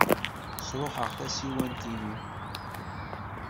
Sṛuḥeɣ tasiwant-inu.